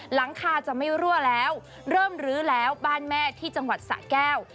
หลังคาจะไม่รั่วแล้วเริ่มรื้อแล้วบ้านแม่ที่จังหวัดสะแก้ว